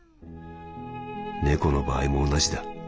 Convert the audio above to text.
猫の場合も同じだ。